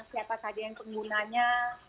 siapa saja yang penggunanya